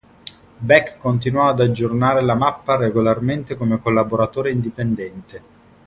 Beck continuò ad aggiornare la mappa regolarmente come collaboratore indipendente.